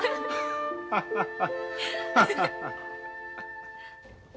ハハハハハハ。